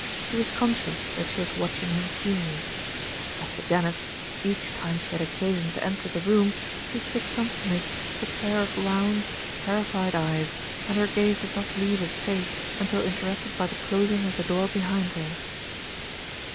He was conscious that she was watching him keenly. As for Janet, each time she had occasion to enter the room, she fixed on Smith a pair of round, terrified eyes, and her gaze did not leave his face until inter rupted by the closing of the door behind her.